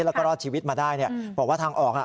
แล้วก็รอดชีวิตมาได้เนี่ยบอกว่าทางออกอ่ะ